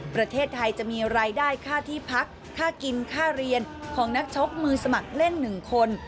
ประเทศไทยจะมีรายได้ค่าที่พักค่ากินค่าเรียนของนักชกมือสมัครเล่น๑คน